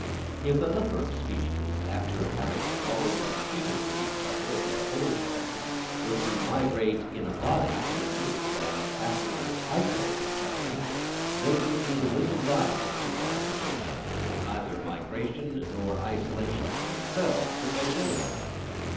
If a number of species, after having long competed with each other in their old home, were to migrate in a body into a new and afterwards isolated country, they would be little liable to modification; for neither migration nor isolation in themselves effect anything.